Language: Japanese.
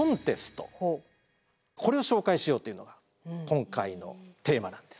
これを紹介しようというのが今回のテーマなんですよ。